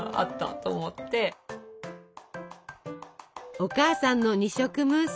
お母さんの二色ムース。